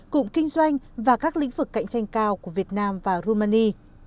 cụm kinh doanh và các lĩnh vực cạnh tranh cao của việt nam và rumani